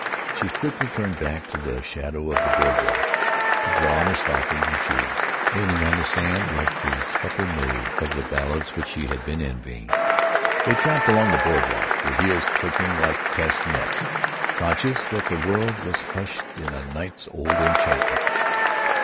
She quickly turned back to the shadow of the board walk, to draw on her stockings and shoes, kneeling on the sand like the simple maid of the ballads which she had been envying. They tramped along the board walk, with heels clicking like castanets, conscious that the world was hushed in night's old enchantment.